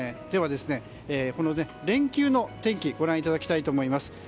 では、この連休の天気ご覧いただきたいと思います。